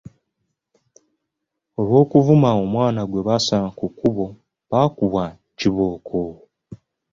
Olw’okuvuma omwana gwe basanga ku kkubo, baakubwa kibooko.